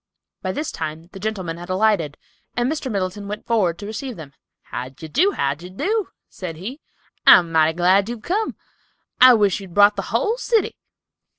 By this time the gentlemen had alighted, and Mr. Middleton went forward to receive them. "How d'ye do, how d'ye do?" said he; "I'm mighty glad you've come. I wish you'd brought the whole city."